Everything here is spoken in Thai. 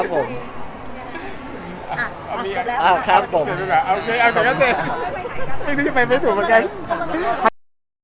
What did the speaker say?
อ่ะอ่ะเต็มแล้วอ่ะครับผมโอเคอ่ะไม่ถูกเหมือนกัน